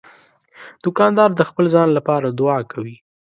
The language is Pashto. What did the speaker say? دوکاندار د خپل ځان لپاره دعا کوي.